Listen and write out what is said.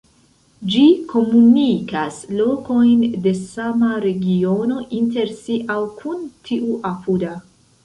Ĝi komunikas lokojn de sama regiono inter si aŭ kun tiu apuda.